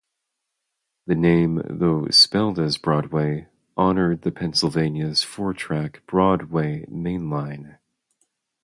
The name, though spelled as "Broadway", honored the Pennsylvania's four-track "broad way" main line.